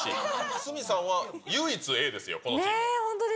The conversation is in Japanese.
鷲見さんは唯一Ａですよ、このチームで。